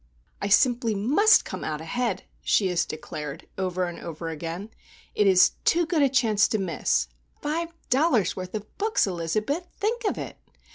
"I simply must come out ahead," she has declared, over and over again. "It is too good a chance to miss. Five dollars' worth of books, Elizabeth! Think of it!